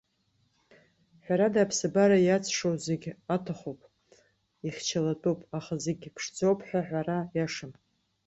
Ҳәарада, аԥсабара иацшоу зегьы аҭахуп, ихьчалатәуп, аха зегь ԥшӡоуп ҳәа аҳәара иашам.